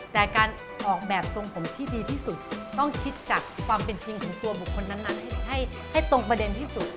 แต่การออกแบบทรงผมที่ดีที่สุดต้องคิดจากความเป็นจริงของตัวบุคคลนั้นให้ตรงประเด็นที่สุด